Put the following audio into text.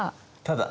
ただ。